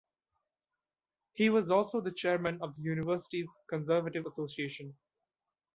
He was also the chairman of the University's Conservative Association.